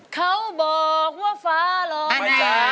เขาบอกว่าฟ้าร้อง